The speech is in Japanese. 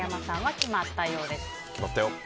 決まったよ。